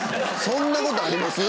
そんな事あります？